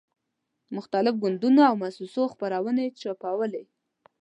مختلفو ګوندونو او موسسو خپرونې چاپولې.